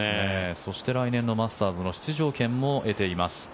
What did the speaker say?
そして来年のマスターズの出場権も得ています。